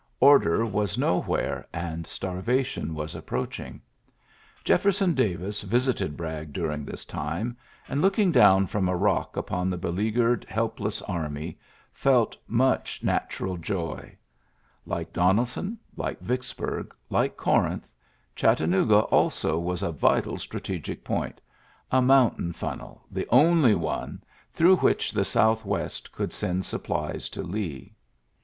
Order was nowhere and starvation was approaching. Jeffei son Davis visited Bragg during this time and, looking down from a rock upon th beleaguered, helpless army, felt muc natural joy. Like Donebon, like Vicfci burg, like Corinth, Chattanooga ako wa %. ULYSSES S. GEAJJT 83 a vital strategic point, a mountain fdn nel — the only one — through which the South west could send supplies to Lee.